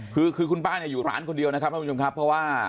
คือคือคุณป้าเนี่ยอยู่ร้านคนเดียวนะครับท่านผู้ชมครับเพราะว่า